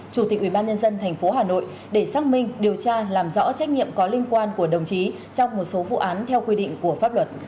chủ tịch ubnd tp hà nội để xác minh điều tra làm rõ trách nhiệm có liên quan của đồng chí trong một số vụ án theo quy định của pháp luật